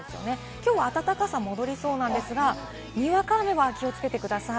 きょうは暖かさも戻りそうなんですが、にわか雨は気をつけてください。